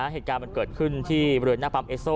เหตุการณ์มันเกิดขึ้นที่บริเวณหน้าปั๊มเอสโซ